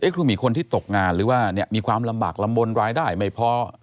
ครูมีคนที่ตกงานหรือว่ามีความลำบากลำบลรายได้ไม่พอ